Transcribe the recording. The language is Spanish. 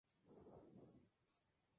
Se encuentra al suroeste de Corea.